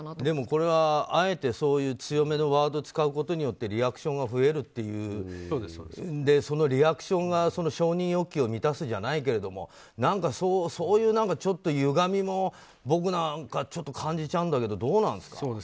でもこれは、あえてそういう強めのワードを使うことによってリアクションが増えるというそのリアクションが承認欲求を満たすじゃないけどそういうゆがみも僕なんか、ちょっと感じちゃうんだけどどうなんですか？